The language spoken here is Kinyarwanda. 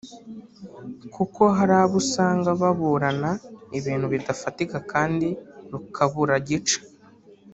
kuko hari abo usanga baburana ibintu bidafatika kandi rukabura gica